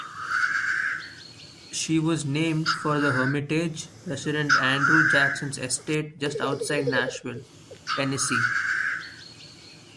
She was named for The Hermitage, President Andrew Jackson's estate just outside Nashville, Tennessee.